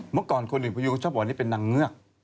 เมื่อก่อนคนอื่นพยูก็ชอบบอกว่านี่เป็นนางเงือก